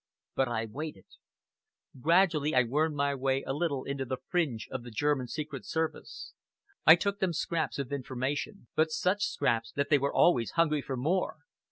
But I waited. Gradually I wormed my way a little into the fringe of the German Secret Service. I took them scraps of information; but such scraps that they were always hungry for more.